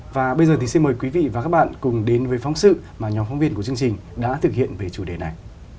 và bây giờ thì xin mời quý vị và các bạn cùng đến với phóng sự mà nhóm phóng viên của chương trình đã thực hiện về chủ đề này